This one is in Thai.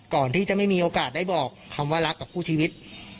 ก่อนที่จะไม่มีโอกาสได้บอกคำว่ารักกับคู่ชีวิต